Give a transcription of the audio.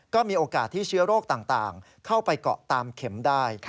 ก็มีโอกาสที่เชื้อโรคต่างเข้าไปเกาะตามเข็มได้